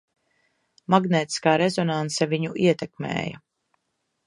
Magnētiskā rezonanse viņu ietekmēja.